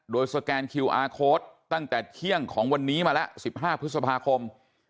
โดยสแกนคิวอาร์โค้ดตั้งแต่เที่ยงของวันนี้มาแล้ว๑๕พฤษภาคม